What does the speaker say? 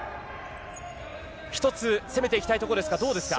１つ攻めていきたいところですか、どうですか。